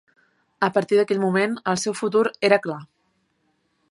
A partir d'aquell moment, el seu futur era clar.